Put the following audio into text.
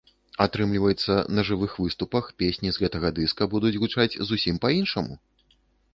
Атрымліваецца, на жывых выступах песні з гэтага дыска будуць гучаць зусім па-іншаму!?